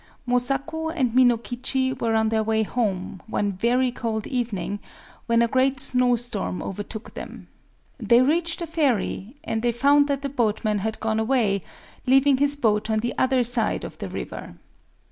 Mosaku and Minokichi were on their way home, one very cold evening, when a great snowstorm overtook them. They reached the ferry; and they found that the boatman had gone away, leaving his boat on the other side of the river.